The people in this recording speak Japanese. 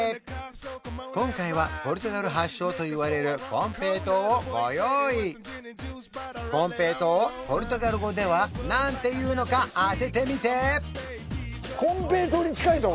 今回はポルトガル発祥といわれる金平糖をご用意金平糖をポルトガル語では何て言うのか当ててみて！